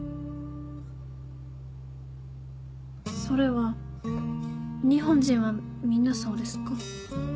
それは日本人はみんなそうですか？